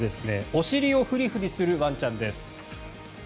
お尻をフリフリするワンちゃんです。